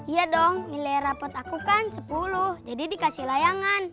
iya dong nilai rapot aku kan sepuluh jadi dikasih layangan